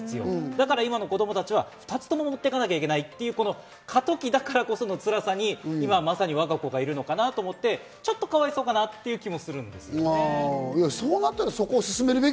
だから今の子供たちは２つとも持っていかなきゃいけないという時だからこそのつらさに今、わが子がいるのかなと思って、ちょっとかわいそうかなという気